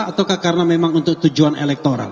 atau karena memang untuk tujuan elektoral